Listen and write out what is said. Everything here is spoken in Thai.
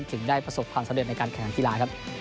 ถึงได้ประสบความสำเร็จในการแข่งกีฬาครับ